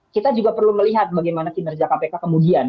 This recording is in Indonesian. kita juga perlu melihat bagaimana kinerja kpk kemudian